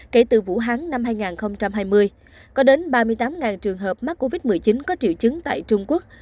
kể từ vũ hán năm hai nghìn hai mươi có đến ba mươi tám trường hợp mắc covid một mươi chín có triệu chứng tại trung quốc